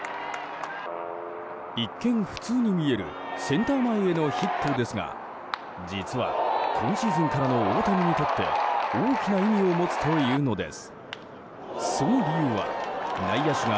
一見、普通に見えるセンター前へのヒットですが実は今シーズンからの大谷にとって大きな意味を持つというのです。